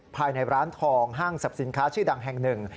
ภายในร้านทองห้างสรรพสินค้าชื่อดังแห่งหนึ่ง